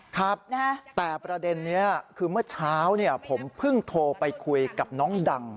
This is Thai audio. ครับแต่ประเด็นนี้คือเมื่อเช้าผมเพิ่งโทรไปคุยกับน้องดัง